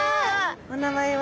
お名前は？